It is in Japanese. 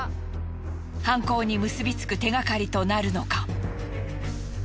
犯行に結びつく手がかりとなるのか。